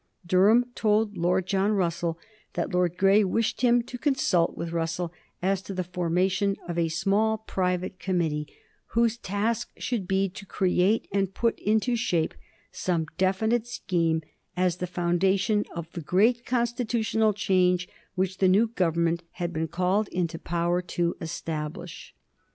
Durham told Lord John Russell that Lord Grey wished him to consult with Russell as to the formation of a small private committee whose task should be to create and put into shape some definite scheme as the foundation of the great constitutional change which the new Government had been called into power to establish.